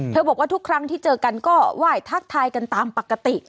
บอกว่าทุกครั้งที่เจอกันก็ไหว้ทักทายกันตามปกติ